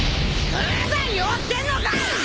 まだ酔ってんのかぁ！